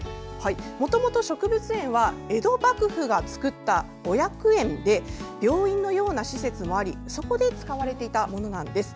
もともと植物園は江戸幕府が作った御薬園で病院のような施設もありそこで使われていたものなんです。